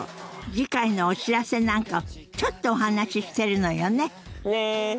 次回のお知らせなんかをちょっとお話ししてるのよね。ね。